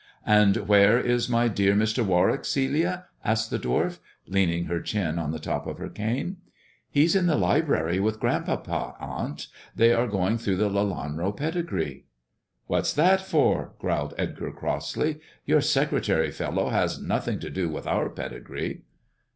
"And where is my dear Mr. Warwick, Celia 1" asked the dwarf, leaning her chin on the top of her cane. " He's in the library with grandpapa, aunt. They are going through the Lelanro pedigree." "What's that fori" growled Edgar crossly. "Your secretary fellow has nothing to do with our pedigree."